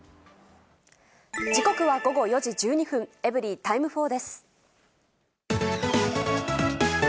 時刻は午後４時１２分、エブリィタイム４です。